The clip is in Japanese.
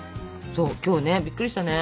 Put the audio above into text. そう今日ねびっくりしたね。